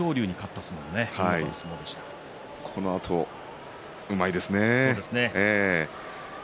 このあとうまいですね。